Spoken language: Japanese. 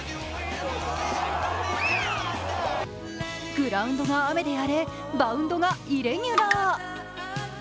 グラウンドが雨で荒れバウンドがイレギュラー。